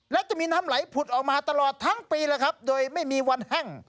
และจะมีน้ำไหลผุดออกมาตลอดทั้งปีแล้วครับโดยไม่มีวันแห้ง